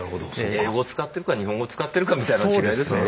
英語を使ってるか日本語を使ってるかみたいな違いですね。